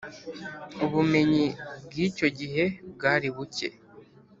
Ubumenyi bw’icyo gihe bwari bucye